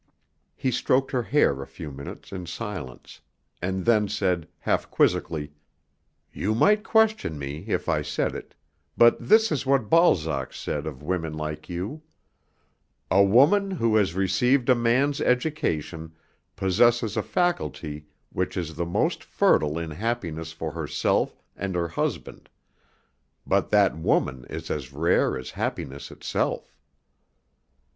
He stroked her hair a few minutes in silence, and then said, half quizzically, "You might question me, if I said it, but this is what Balzac said of women like you: 'A woman who has received a man's education possesses a faculty which is the most fertile in happiness for herself and her husband; but that woman is as rare as happiness itself.'"